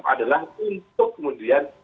adalah untuk kemudian